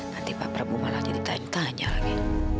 nanti pak prabu malah ditanya tanya lagi